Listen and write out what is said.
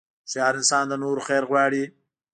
هوښیار انسان د نورو خیر غواړي.